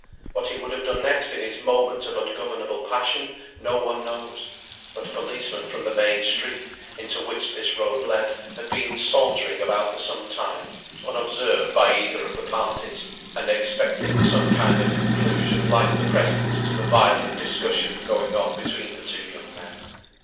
What he would have done next in his moment of ungovernable passion, no one knows; but a policeman from the main street, into which this road led, had been sauntering about for some time, unobserved by either of the parties, and expecting some kind of conclusion like the present to the violent discussion going on between the two young men.